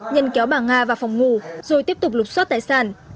nhân kéo bà nga vào phòng ngủ rồi tiếp tục lục xót tài sản